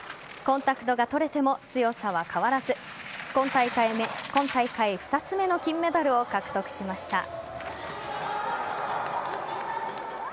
コンタクトが取れても強さは変わらず今大会２つ目の金メダルを獲得しました。